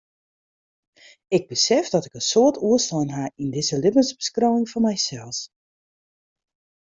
Ik besef dat ik in soad oerslein ha yn dizze libbensbeskriuwing fan mysels.